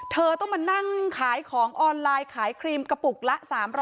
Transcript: เธอต้องมานั่งขายของออนไลน์ขายครีมกระปุกละ๓๐๐